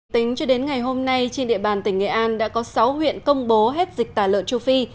tính cho đến ngày hôm nay trên địa bàn tỉnh nghệ an đã có sáu huyện công bố hết dịch tả lợn châu phi